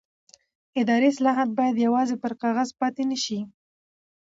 اداري اصلاحات باید یوازې پر کاغذ پاتې نه شي